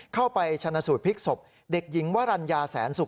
เข้าไปชนะสูตรพลิกศพเด็กหญิงวรรณญาแสนสุข